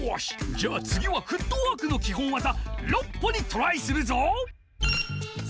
じゃあつぎはフットワークのきほんわざ「６歩」にトライするぞ！